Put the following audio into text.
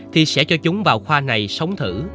thì sẽ cho chúng vào khoa này sống thử